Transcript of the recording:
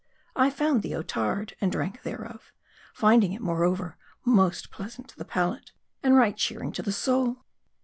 I found the Otard, and drank there of ; finding it, moreover, most pleasant to the palate, and right cheering to the soul.